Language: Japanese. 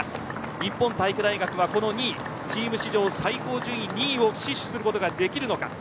日本体育大学は、この２位チーム史上最高順位の２位を死守することができるのか。